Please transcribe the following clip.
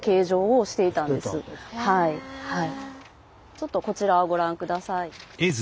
ちょっとこちらをご覧下さい。